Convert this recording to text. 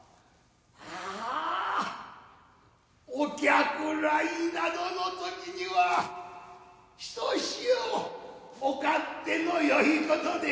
ああお客来などの時にはひとしおお勝手のよいことでござるな。